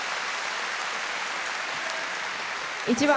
１番